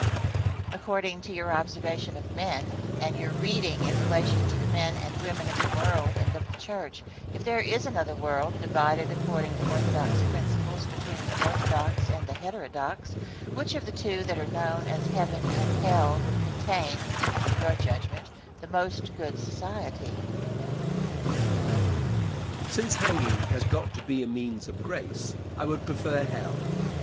According to your observation of men, and your reading in relation to the men and women of the world and of the church, if there is another world divided according to orthodox principles between the orthodox and heterodox, which of the two that are known as heaven and hell would contain, in your judgment, the most good society? Answer. Since hanging has got to be a means of grace, I would prefer hell.